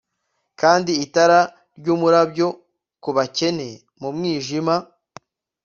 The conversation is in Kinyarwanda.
kandi itara ryumurabyo kubakene mu mwijima;